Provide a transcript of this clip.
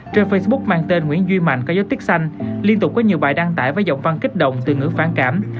trên facebook mang tên nguyễn duy mạnh có dấu tích xanh liên tục có nhiều bài đăng tải với giọng văn kích động từ ngữ phản cảm